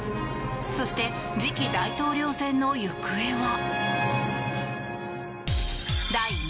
そして、次期大統領選の行方は。